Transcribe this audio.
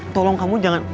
tolong kamu jangan